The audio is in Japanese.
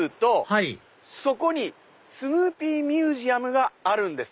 はいそこにスヌーピーミュージアムがあるんです。